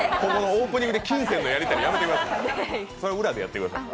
オープニングで金銭のやりとりやめてください。